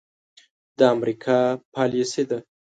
د امريکا پاليسي ده.